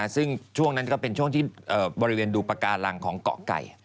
ซึ่งช่วงนั้นก็เป็นช่วงที่บริเวณดูปากการังของเกาะไก่